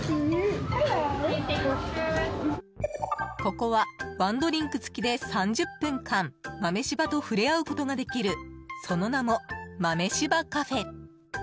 ここは１ドリンク付きで３０分間豆柴と触れ合うことができるその名も、豆柴カフェ。